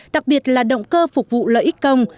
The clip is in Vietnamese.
đặc biệt là động cơ phục vụ lợi ích công